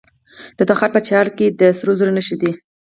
د تخار په چال کې د سرو زرو نښې شته.